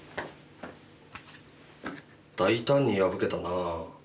大胆に破けたなぁ。